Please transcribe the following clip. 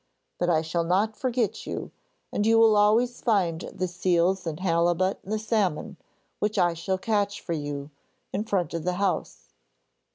But I shall not forget you, and you will always find the seals and halibut and the salmon, which I shall catch for you, in front of the house.'